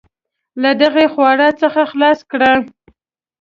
له دغې خوارۍ څخه خلاص کړي.